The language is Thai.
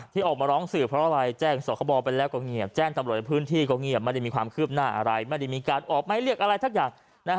ที่ออกมาร้องสื่อเพราะอะไรแจ้งสคบไปแล้วก็เงียบแจ้งตำรวจในพื้นที่ก็เงียบไม่ได้มีความคืบหน้าอะไรไม่ได้มีการออกไม้เรียกอะไรสักอย่าง